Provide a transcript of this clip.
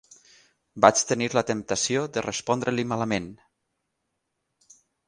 Vaig tenir la temptació de respondre-li malament.